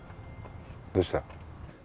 どうした？